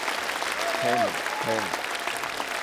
হেম, হেম।